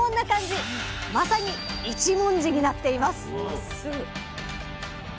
まさに一文字になっています